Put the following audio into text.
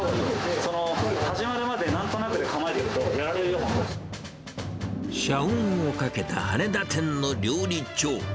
その始まるまで何となくで構えてると、社運をかけた羽田店の料理長。